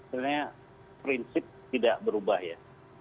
sebenarnya prinsip tidak berubah ya